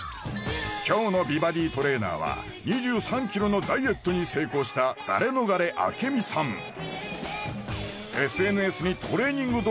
今日の美バディトレーナーは２３ｋｇのダイエットに成功したダレノガレ明美さん